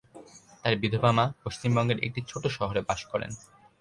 তার বিধবা মা পশ্চিমবঙ্গের একটি ছোটো শহরে বাস করেন।